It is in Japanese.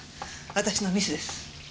私のミスです。